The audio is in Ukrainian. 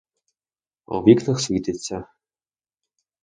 А у вікнах світиться.